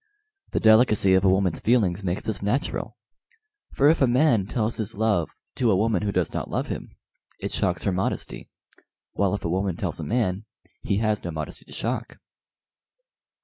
The delicacy of a woman's feelings makes this natural, for if a man tells his love to a woman who does not love him, it shocks her modesty; while if a woman tells a man, he has no modesty to shock."